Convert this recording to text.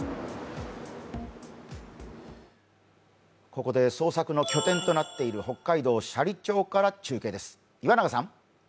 ここで捜索の拠点となっている、北海道斜里町から中継です。